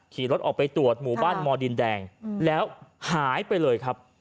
ขี่รถออกไปตรวจหมู่บ้านมดินแดงแล้วหายไปเลยครับ